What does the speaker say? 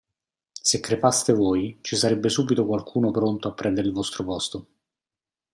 Se crepaste voi, ci sarebbe subito qualcuno pronto a prendere il vostro posto!